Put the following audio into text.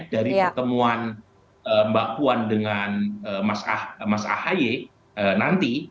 dari pertemuan mbak puan dengan mas ahaye nanti